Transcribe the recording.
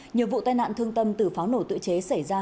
nhiều vụ tai nạn thương tâm từ pháo nổ tự chế xảy ra